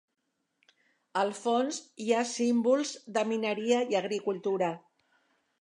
Al fons hi ha símbols de mineria i agricultura.